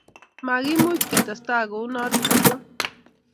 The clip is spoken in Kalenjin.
makimuchi ketestai ko u not kamwa